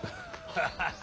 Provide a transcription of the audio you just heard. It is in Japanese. ハハハ。